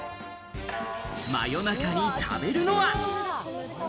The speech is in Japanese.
真夜中に食べるのは？